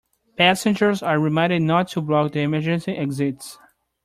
Passengers are reminded not to block the emergency exits.